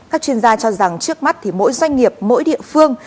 các chuyên gia cho rằng trước mắt thì mỗi doanh nghiệp mỗi địa phương